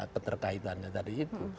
peterkaitannya tadi itu